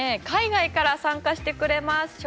海外から参加してくれます。